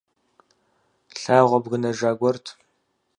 Лъагъуэ бгынэжа гуэрт.